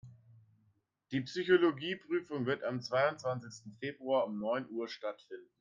Die Psychologie-Prüfung wird am zweiundzwanzigsten Februar um neun Uhr stattfinden.